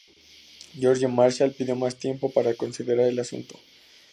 George Marshall pidió más tiempo para considerar el asunto.